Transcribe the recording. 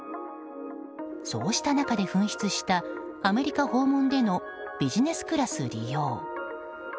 そうした中で噴出したアメリカ訪問でのビジネスクラス利用。